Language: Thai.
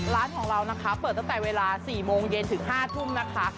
ร้านของเรานะคะเปิดตั้งแต่เวลา๔โมงเย็นถึง๕ทุ่มนะคะ